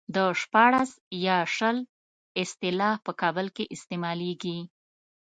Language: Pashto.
د شپاړس يا شل اصطلاح په کابل کې استعمالېږي.